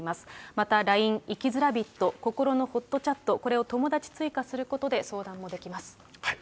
またＬＩＮＥ、生きづらびっと、心のほっとチャット、これを友だち追加することで相談もできます。